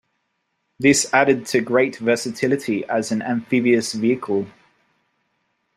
This added to great versatility as an amphibious vehicle.